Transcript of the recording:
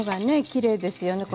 きれいですよね。